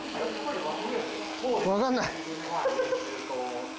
わかんない。